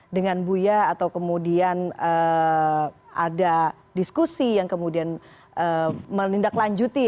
dengan buya atau kemudian ada diskusi yang kemudian menindaklanjuti